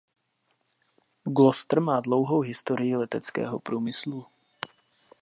Gloucester má dlouhou historii leteckého průmyslu.